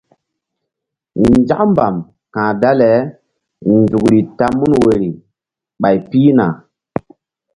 Nzak mbam ka̧h dale nzukri ta mun woyri ɓay pihna.